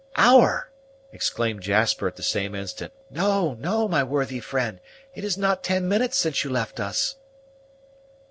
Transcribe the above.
"Hour!" exclaimed Jasper at the same instant; "No, no, my worthy friend, it is not ten minutes since you left us!"